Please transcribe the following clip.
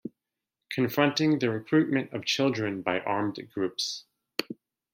Confronting the recruitment of children by armed groups.